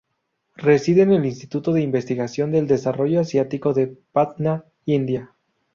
Reside en el Instituto de Investigación del Desarrollo Asiático de Patna, India.